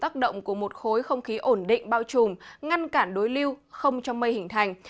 tác động của một khối không khí ổn định bao trùm ngăn cản đối lưu không cho mây hình thành